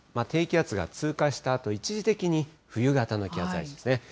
低気圧が通過したあと、一時的に冬型の気圧配置ですね。